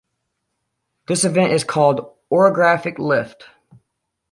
This event is called orographic lift.